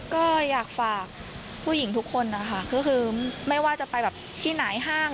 ก็อยากฝากผู้หญิงทุกคนนะคะก็คือไม่ว่าจะไปแบบที่ไหนห้าง